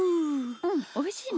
うんおいしいね。